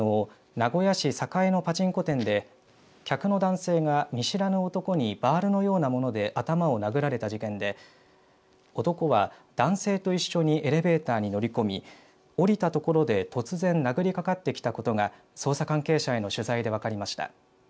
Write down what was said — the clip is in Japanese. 名古屋市栄のパチンコ店で客の男性が見知らぬ男にバールのような物で頭を殴られた事件で男は男性と一緒にエレベーターに乗り込み降りたところで突然殴りかかってきたことが捜査関係者への取材で分かりました。